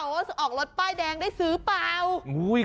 ว่าออกรถป้ายแดงได้ซื้อเปล่า